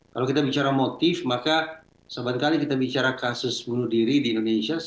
kalau kita bicara motif maka sebangkali kita bicara kasus bunuh diri di indonesia